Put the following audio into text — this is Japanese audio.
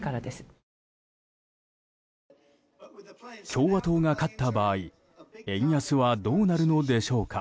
共和党が勝った場合円安はどうなるのでしょうか。